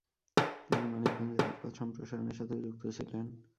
তিনি মানিকগঞ্জে রেলপথ সম্প্রসারণের সাথেও যুক্ত ছিলেন।